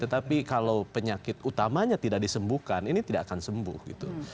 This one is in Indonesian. tetapi kalau penyakit utamanya tidak disembuhkan ini tidak akan sembuh gitu